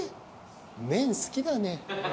麺好きだね。